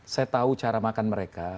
saya tahu cara makan mereka